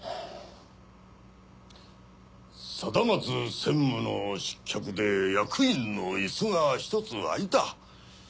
貞松専務の失脚で役員のイスがひとつ空いた。